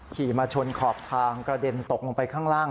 ขี่มาชนขอบทางกระเด็นตกลงไปข้างล่าง